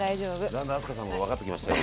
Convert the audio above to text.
だんだん明日香さんを分かってきましたよ